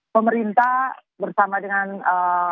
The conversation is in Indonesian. pemerintah bersama dengan kawasan kawasan ini